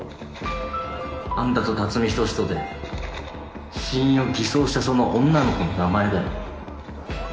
「あんたと辰巳仁志とで死因を偽装したその女の子の名前だよ」